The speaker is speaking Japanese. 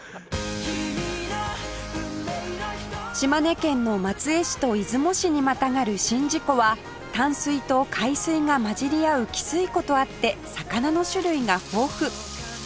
島根県の松江市と出雲市にまたがる宍道湖は淡水と海水が混じり合う汽水湖とあって魚の種類が豊富